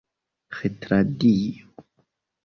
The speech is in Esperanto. retradio